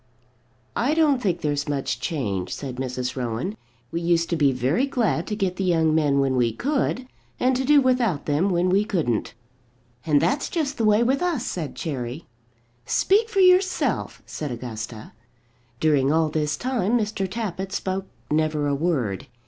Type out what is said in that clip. "I don't think there's much change," said Mrs. Rowan; "we used to be very glad to get the young men when we could, and to do without them when we couldn't." "And that's just the way with us," said Cherry. "Speak for yourself," said Augusta. During all this time Mr. Tappitt spoke never a word.